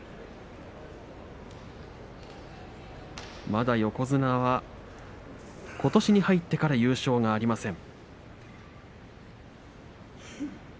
まだ横綱はことしに入ってから優勝がありません。